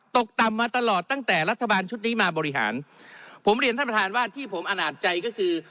ตกต่ำมาตลอดตั้งแต่รัฐบาลชุดนี้มาบริหารผมเรียนท่านประธานว่าที่ผมอาณาจใจก็คือ